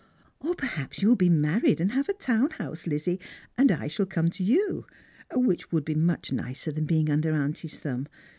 " Or perhaps you'll be married, and have a town house, Lizzie, and I shall come to you ; which would be much nicer than being under aantie'n thumb.